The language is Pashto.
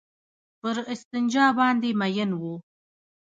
پر استنجا باندې مئين وو.